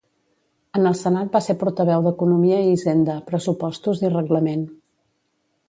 En el Senat va ser portaveu d'Economia i Hisenda, Pressupostos i Reglament.